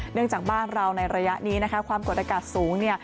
เนื่องจากบ้านเราในระยะนี้ความกดอากาศสูง